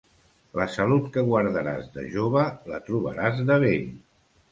La salut que guardaràs de jove, la trobaràs de vell.